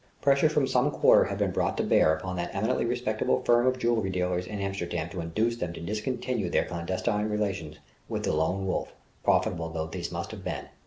Pressure from some quarter had been brought to bear upon that eminently respectable firm of jewel dealers in Amsterdam to induce them to discontinue their clandestine relations with the Lone Wolf, profitable though these must have been.